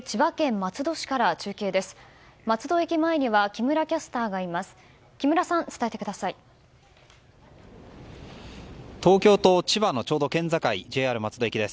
松戸駅前には木村キャスターがいます。